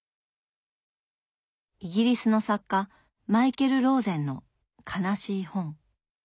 イギリスの作家マイケル・ローゼンの「悲しい本」。